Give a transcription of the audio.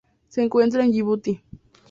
Se encuentra en Yibuti.